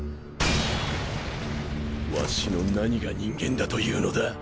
ワシの何が人間だというのだ！